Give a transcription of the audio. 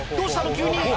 急に！」